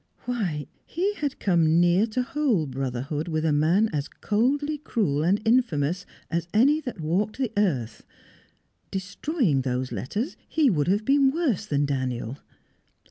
Why, he had come near to whole brotherhood with a man as coldly cruel and infamous as any that walked the earth! Destroying these letters, he would have been worse than Daniel.